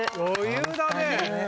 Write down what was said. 余裕だね。